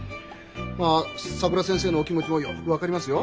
まあさくら先生のお気持ちもよく分かりますよ。